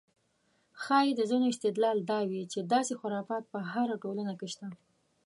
ښایي د ځینو استدلال دا وي چې داسې خرافات په هره ټولنه کې شته.